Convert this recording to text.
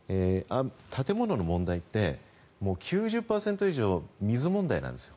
建物の問題って９０％以上水問題なんですよ。